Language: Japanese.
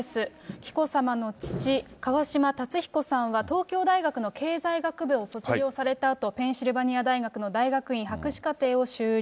紀子さまの父、川嶋辰彦さんは東京大学の経済学部を卒業されたあと、ペンシルベニア大学の大学院博士課程を修了。